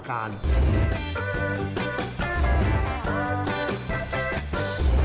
ฮึกสายหิมพาน